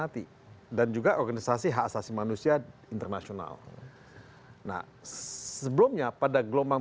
terima kasih pak